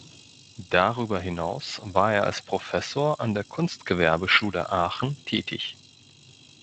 Darüber hinaus war er als Professor an der Kunstgewerbeschule Aachen tätig.